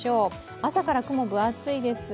朝から雲が分厚いです。